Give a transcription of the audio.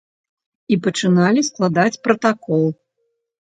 І пачыналі складаць пратакол.